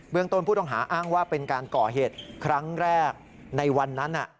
ต้นผู้ต้องหาอ้างว่าเป็นการก่อเหตุครั้งแรกในวันนั้น